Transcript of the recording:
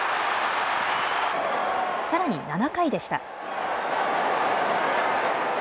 さらに７回でした。